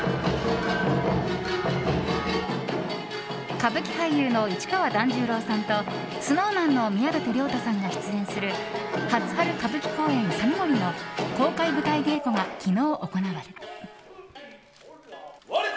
歌舞伎俳優の市川團十郎さんとＳｎｏｗＭａｎの宮舘涼太さんが出演する「初春歌舞伎公演“ＳＡＮＥＭＯＲＩ”」の公開舞台稽古が昨日行われた。